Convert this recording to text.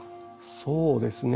そうですね。